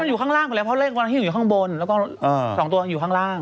อยู่ข้างล่างไปแล้วเพราะเลขวันที่หนูอยู่ข้างบนแล้วก็๒ตัวอยู่ข้างล่าง